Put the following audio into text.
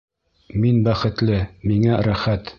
Мин бәхетле, миңә рәхәт.